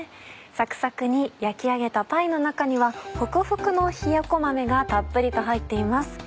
サクサクに焼き上げたパイの中にはホクホクのひよこ豆がたっぷりと入っています。